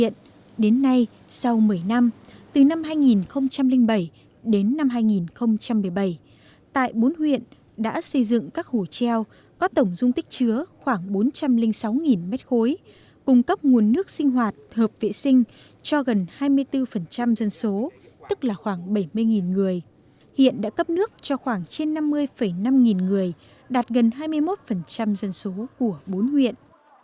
tại bốn huyện đã xây dựng các hồ treo có tổng dung tích chứa khoảng bốn trăm linh sáu m ba cung cấp nguồn nước sinh hoạt hợp vệ sinh cho gần hai mươi bốn dân số tức là khoảng bảy mươi người hiện đã cấp nước cho khoảng trên năm mươi năm người đạt gần hai mươi một dân số của bốn huyện